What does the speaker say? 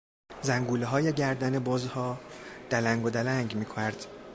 زنگولههای گردن بزها دلنگ و دلنگ میکرد.